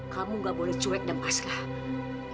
kamu gak boleh cuek dan pascah